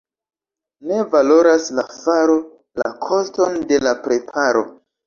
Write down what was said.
Ne valoras la faro la koston de la preparo.